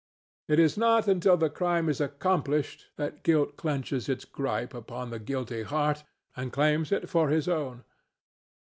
It is not until the crime is accomplished that Guilt clenches its gripe upon the guilty heart and claims it for his own.